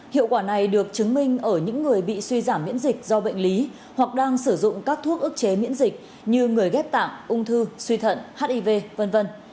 hiệu quả này được chứng minh ở những người bị suy giảm miễn dịch do bệnh lý hoặc đang sử dụng các thuốc ước chế miễn dịch như người ghép tạng ung thư suy thận hiv v v